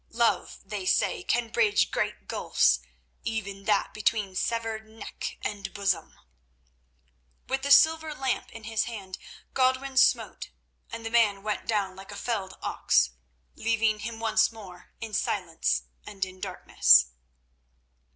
Love, they say, can bridge great gulfs—even that between severed neck and bosom." With the silver lamp in his hand Godwin smote, and the man went down like a felled ox, leaving him once more in silence and in darkness.